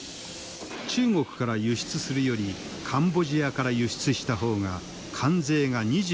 中国から輸出するよりカンボジアから輸出した方が関税が２５％低い。